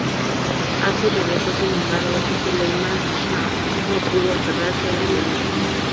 Aziz regresó, sin embargo, y Suleiman Shah no pudo aferrarse a la provincia.